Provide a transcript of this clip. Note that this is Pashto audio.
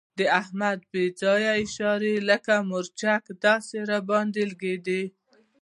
د احمد بې ځایه اشارې لکه مرچک داسې را باندې لګېږي.